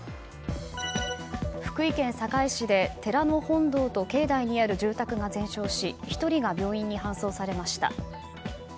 福井県坂井市で、寺の本堂と境内にある住宅が全焼し１人が病院に搬送されました。